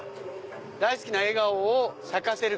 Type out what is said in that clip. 「大好きな笑顔を咲かせる」。